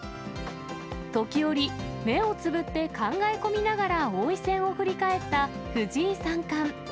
時折、目をつぶって考え込みながら王位戦を振り返った藤井三冠。